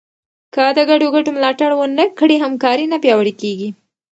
که د ګډو ګټو ملاتړ ونه کړې، همکاري نه پیاوړې کېږي.